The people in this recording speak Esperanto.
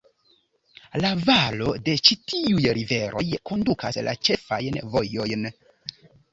La valo de ĉi tiuj riveroj kondukas la ĉefajn vojojn.